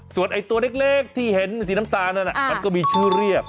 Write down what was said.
ส่วนไอ้ตัวเล็กที่เห็นสีน้ำตาลนั้นมันก็มีชื่อเรียก